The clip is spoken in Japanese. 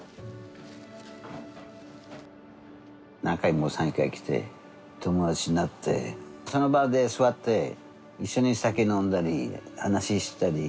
何回も山友会来て友達になってその場で座って一緒に酒飲んだり話ししたり。